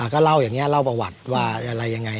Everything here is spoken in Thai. ก็เล่าอย่างนี้เล่าประวัติว่าอะไรยังไง